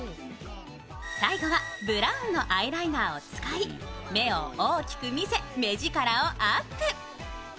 最後はブラウンのアイライナーを使い、目を大きく見せ目ヂカラをアップ。